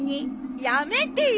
やめてよ。